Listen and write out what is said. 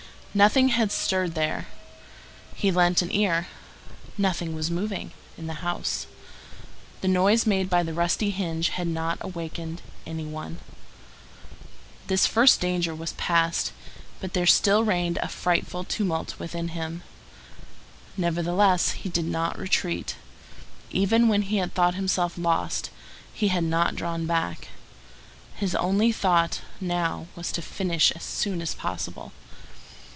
Nothing had stirred there. He lent an ear. Nothing was moving in the house. The noise made by the rusty hinge had not awakened any one. This first danger was past; but there still reigned a frightful tumult within him. Nevertheless, he did not retreat. Even when he had thought himself lost, he had not drawn back. His only thought now was to finish as soon as possible.